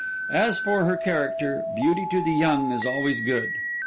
As for her character, beauty to the young is always good.